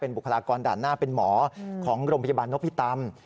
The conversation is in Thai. บุคลากรด่านหน้าเป็นหมอของโรงพยาบาลนพิตำ